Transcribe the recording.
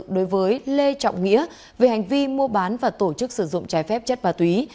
đối với lê trọng nghĩa về hành vi mua bán và tổ chức sử dụng trái phép chất ma túy